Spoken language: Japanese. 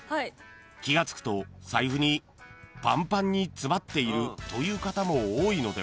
［気が付くと財布にパンパンに詰まっているという方も多いのでは？］